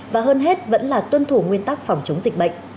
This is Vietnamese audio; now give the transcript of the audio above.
và hơn hết vẫn là tuân thủ nguyên tắc phòng chống dịch bệnh